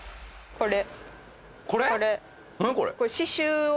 これ？